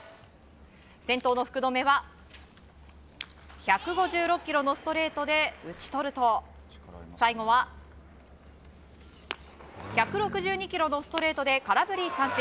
先頭の福留は１５６キロのストレートで打ち取ると最後は１６２キロのストレートで空振り三振。